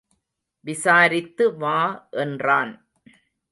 விசாரித்து வா என்றான்.